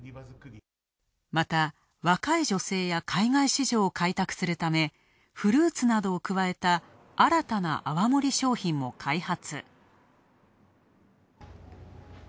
また、若い女性や海外市場を開拓するため、フルーツなどを加えた新たな泡盛商品も開発。